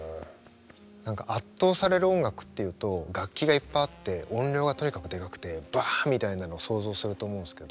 圧倒される音楽っていうと楽器がいっぱいあって音量がとにかくでかくてバッみたいなのを想像すると思うんですけど。